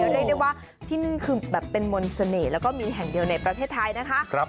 เรียกได้ว่าที่นี่คือแบบเป็นมนต์เสน่ห์แล้วก็มีแห่งเดียวในประเทศไทยนะคะ